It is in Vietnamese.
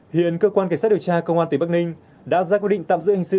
hiện cơ quan cảnh sát điều tra công an tỉnh bắc ninh đã ra quyết định tạm giữ hình sự